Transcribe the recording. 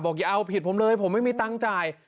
อย่าเอาผิดผมเลยผมไม่มีตังค์จ่าย